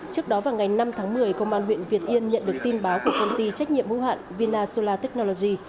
trước đó vào ngày năm tháng một mươi công an huyện việt yên nhận được tin báo của công ty trách nhiệm ưu hạn vina solar technology